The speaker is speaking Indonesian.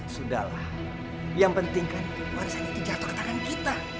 sudahlah yang pentingkan warisan itu jatuh di tangan kita